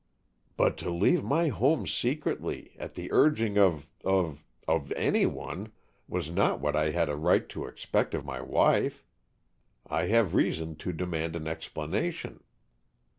"But to leave my home secretly, at the urging of of of anyone, was not what I have a right to expect of my wife. I have reason to demand an explanation."